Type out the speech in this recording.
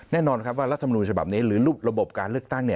แน่นอนครับว่ารัฐมนูญฉบับนี้หรือรูประบบการเลือกตั้ง